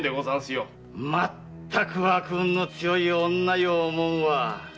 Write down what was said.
まったく悪運の強い女よおもんは。